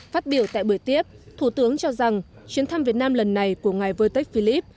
phát biểu tại buổi tiếp thủ tướng cho rằng chuyến thăm việt nam lần này của ngài wtech philip